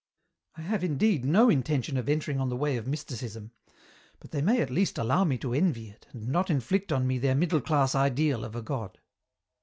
" I have indeed no intention of entering on the way of EN ROUTE. 37 Mysticism, but they may at least allow me to envy it and not inflict on me their middle class ideal of a God.